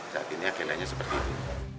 dan ini agendanya seperti itu